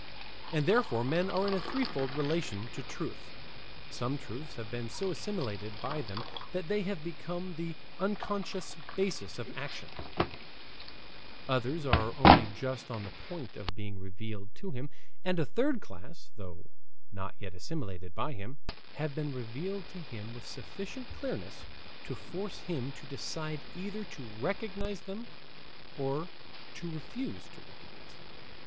And therefore men are in a threefold relation to truth. Some truths have been so assimilated by them that they have become the unconscious basis of action, others are only just on the point of being revealed to him, and a third class, though not yet assimilated by him, have been revealed to him with sufficient clearness to force him to decide either to recognize them or to refuse to recognize them.